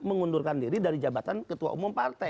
mengundurkan diri dari jabatan ketua umum partai